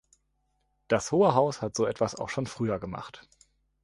Das Hohe Haus hat so etwas auch schon früher gemacht.